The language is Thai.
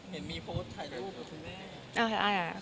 เห็นมีโพสต์ถ่ายรูปกับคุณแม่